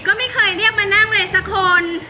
ก็ไม่เคยเรียกมานั่งเลยสักคน